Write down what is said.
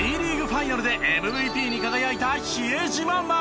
ファイナルでＭＶＰに輝いた比江島慎。